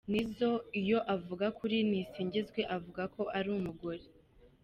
Nizzo iyo avuga kuri Nisingizwe avuga ko ari “umugore”.